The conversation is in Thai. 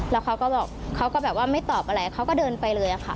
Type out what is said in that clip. แล้วเขาก็บอกเขาก็แบบว่าไม่ตอบอะไรเขาก็เดินไปเลยค่ะ